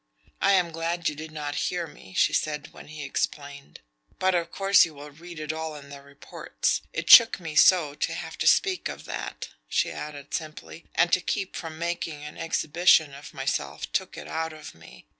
"I am glad you did not hear me," she said when he explained. "But of course you will read it all in the reports. It shook me so to have to speak of that," she added simply, "and to keep from making an exhibition of myself took it out of me.